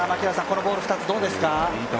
このボール、２つ、どうですか。